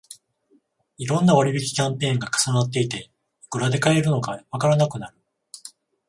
いろんな割引キャンペーンが重なっていて、いくらで買えるのかわからなくなる